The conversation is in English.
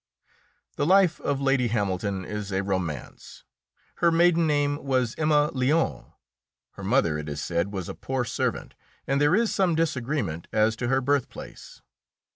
The life of Lady Hamilton is a romance. Her maiden name was Emma Lyon. Her mother, it is said, was a poor servant, and there is some disagreement as to her birthplace.